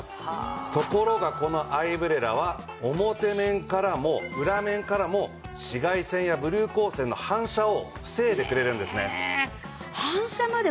ところがこのアイブレラは表面からも裏面からも紫外線やブルー光線の反射を防いでくれるんですね。